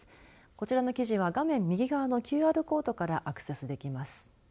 こちらの記事は画面右側のＱＲコードからアクセスできます。